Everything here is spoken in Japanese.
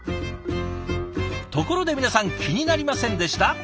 ところで皆さん気になりませんでした？